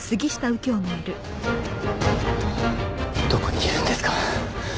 どこにいるんですか？